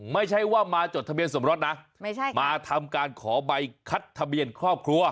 ไม่ใช่ว่ามาจดทะเบียนสมรสนะไม่ใช่มาทำการขอใบคัดทะเบียนครอบครัว